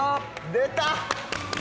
出た！